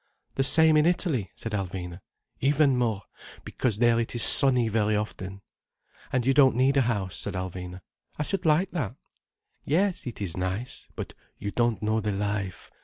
"The same in Italy?" said Alvina. "Even more—because there it is sunny very often—" "And you don't need a house," said Alvina. "I should like that." "Yes, it is nice—but you don't know the life.